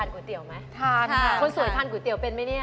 คุณทั้ง๒คนเคยทานก๋วยเตี๋ยวไหม